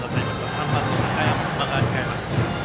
３番の中山を迎えます。